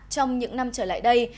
trong những năm trở lại đây